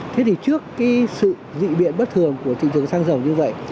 thế thì trước cái sự dị biến bất thường của thị trường xăng dầu như vậy